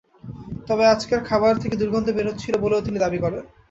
তবে আজকের খাবার থেকে দুর্গদ্ধ বের হচ্ছিল বলেও তিনি দাবি করেন।